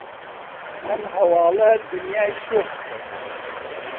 ئەم هەواڵە دنیای شۆک کرد.